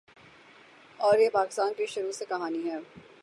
اور یہ پاکستان کی شروع سے کہانی ہے۔